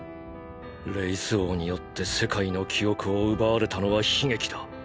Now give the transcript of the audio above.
レイス王によって「世界の記憶」を奪われたのは悲劇だ。